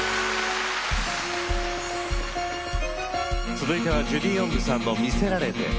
続いてはジュディ・オングさんの「魅せられて」。